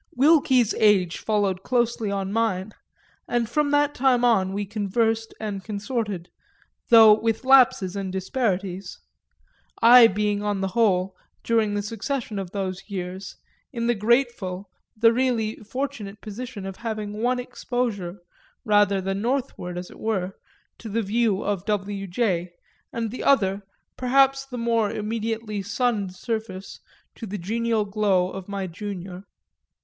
Wilky's age followed closely on mine, and from that time on we conversed and consorted, though with lapses and disparities; I being on the whole, during the succession of those years, in the grateful, the really fortunate position of having one exposure, rather the northward, as it were, to the view of W. J., and the other, perhaps the more immediately sunned surface, to the genial glow of my junior.